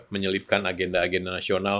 menyelipkan agenda agenda nasional